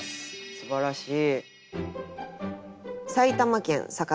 すばらしい！